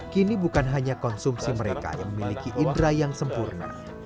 kini bukan hanya konsumsi mereka yang memiliki indera yang sempurna